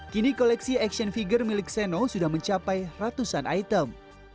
kini koleksi action figure milik seno sudah mencapai ratusan item